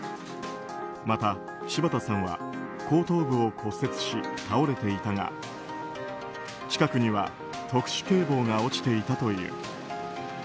また、柴田さんは後頭部を骨折し倒れていたが近くには特殊警棒が落ちていたという。